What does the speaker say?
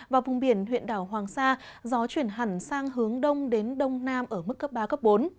và vùng biển huyện đảo hoàng sa gió chuyển hẳn sang hướng đông đến đông nam ở mức cấp ba bốn